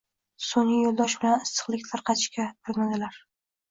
sun’iy yo’l bilan issiqlik tarqatishga urinadilar